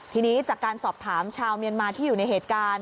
ทีนี้จากการสอบถามชาวเมียนมาที่อยู่ในเหตุการณ์